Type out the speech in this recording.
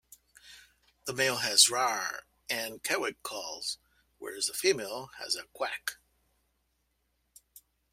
The male has "rarr" and "cawick" calls, whereas the female has a "quack".